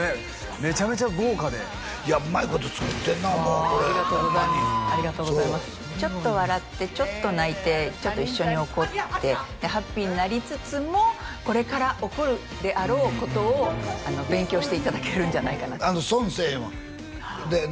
メチャメチャ豪華でいやうまいこと作ってんな思うわこれありがとうございますホンマにそうちょっと笑ってちょっと泣いてちょっと一緒に怒ってハッピーになりつつもこれから起こるであろうことを勉強していただけるんじゃないかな損せえへんわでね